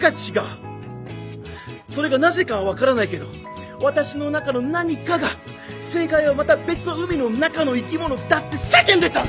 それがなぜかは分からないけど私の中の何かが正解はまた別の海の中の生き物だって叫んでたんだ！